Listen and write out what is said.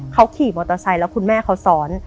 เขาขี่มอเตอร์ไซค์แล้วคุณแม่เขาซ้อน